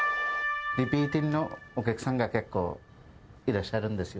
リピートのお客さんが結構いらっしゃるんですよ。